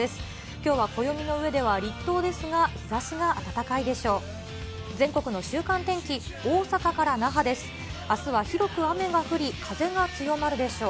きょうは暦の上では立冬ですが、日ざしが暖かいでしょう。